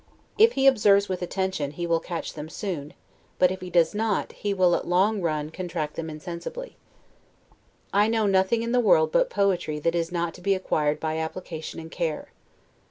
If he observes with attention, he will catch them soon, but if he does not, he will at long run contract them insensibly. I know nothing in the world but poetry that is not to be acquired by application and care.